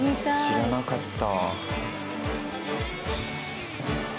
知らなかった。